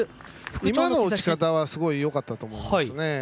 今の打ち方はすごくよかったと思いますね。